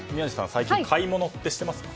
最近買い物ってしてますか。